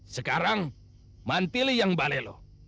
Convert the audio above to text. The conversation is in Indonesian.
sekarang mantili yang balelo